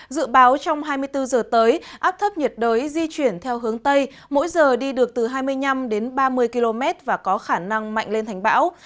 dự báo trong hai mươi bốn giờ tới áp thấp nhiệt đới di chuyển theo hướng tây mỗi giờ đi được từ hai mươi năm đến ba mươi km và có khả năng mạnh lên thành bão